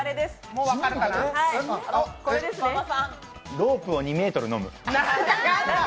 ロープを２ｍ飲む。